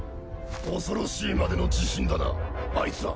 恐ろしいまでの自信だなアイツら。